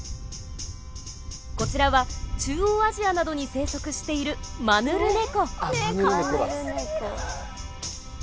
こちらは中央アジアなどに生息しているかわいすぎる！